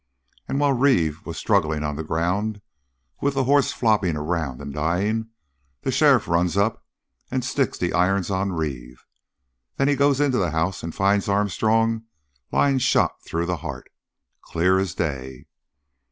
And while Reeve was struggling on the ground, with the hoss flopping around and dying, the sheriff runs up and sticks the irons on Reeve. Then he goes into the house and finds Armstrong lying shot through the heart. Clear as day!